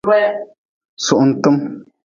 Suhuntm.